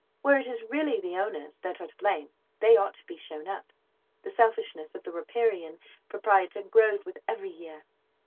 Where it is really the owners that are to blame, they ought to be shown up. The selfishness of the riparian proprietor grows with every year.